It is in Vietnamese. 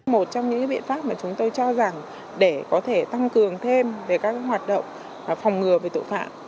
một trong những biện pháp mà chúng tôi cho rằng để có thể tăng cường thêm về các hoạt động phòng ngừa về tội phạm